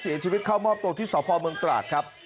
เสียชีวิตเข้ามอบตัวที่สพเมืองตราดครับ